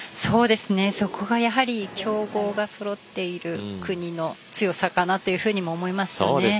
そこがやはり強豪がそろっている国の強さかなというふうにも思いますよね。